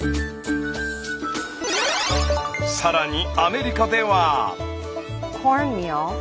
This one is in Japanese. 更にアメリカでは。